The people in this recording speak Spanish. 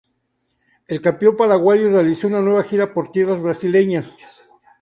El campeón paraguayo realizó una nueva gira por tierras brasileñas.